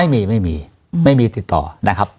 ไม่มีไม่มีติดต่อนะครับ